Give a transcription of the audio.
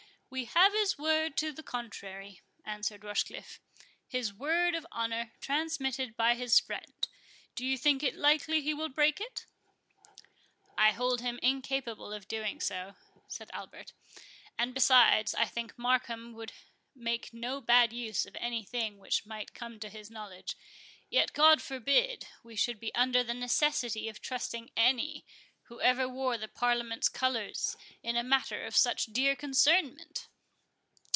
"We have his word to the contrary," answered Rochecliffe—"his word of honour, transmitted by his friend:—Do you think it likely he will break it?" "I hold him incapable of doing so," answered Albert; "and, besides, I think Markham would make no bad use of any thing which might come to his knowledge—Yet God forbid we should be under the necessity of trusting any who ever wore the Parliament's colours in a matter of such dear concernment!"